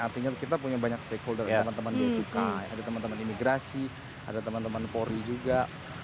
artinya kita punya banyak stakeholder teman teman biaya cukai ada teman teman imigrasi ada teman teman pori juga